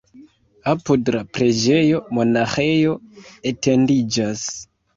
Apud la preĝejo monaĥejo etendiĝas.